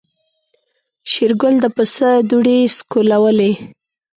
شېرګل د پسه دوړې سکوللې.